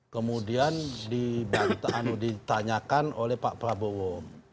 kemudian ditanyakan oleh pak prabowo